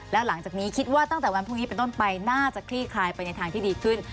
แล้วหลังจากนี้คิดว่าตั้งแต่วันพรุ่งนี้เป็นต้นไปน่าจะคลี่คลายไปในทางที่ดีขึ้น